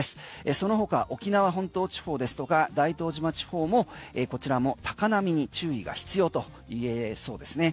その他沖縄本島地方ですとか大東島地方も、こちらも高波に注意が必要といえそうですね。